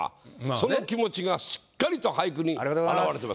その気持ちがしっかりと俳句に表れています。